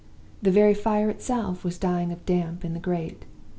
The very fire itself was dying of damp in the grate.